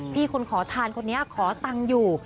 พี่คนขอทานคนนี้ขอตังค์อยู่